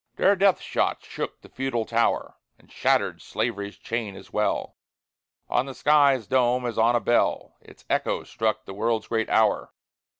Their death shot shook the feudal tower, And shattered slavery's chain as well; On the sky's dome, as on a bell, Its echo struck the world's great hour.